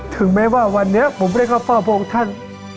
ถึงแม้ว่าวันนี้ผมได้เข้าเฝ้าพระองค์ท่าน